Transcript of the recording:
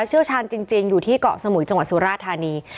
เชี่ยวชาญจริงอยู่ที่เกาะสมุยจังหวัดสุราธานี